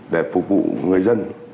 để phục vụ người dân